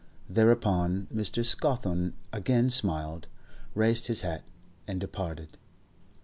Thereupon Mr. Scawthorne again smiled, raised his hat, and departed.